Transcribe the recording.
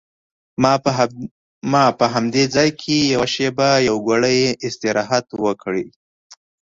ما په همدې ځای کې یوه شېبه استراحت وکړ.